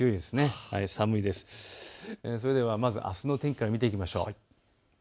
それではあすの天気から見ていきましょう。